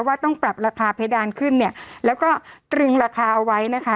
ว่าต้องปรับราคาเพดานขึ้นเนี่ยแล้วก็ตรึงราคาเอาไว้นะคะ